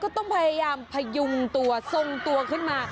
ต้องพยายามพยุงตัวทรงตัวขึ้นมา